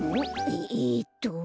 ええっと。